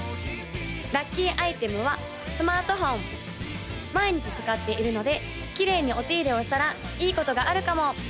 ・ラッキーアイテムはスマートフォン毎日使っているのできれいにお手入れをしたらいいことがあるかも！